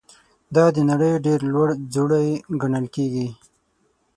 دا د نړۍ ډېر لوړ ځړوی ګڼل کیږي.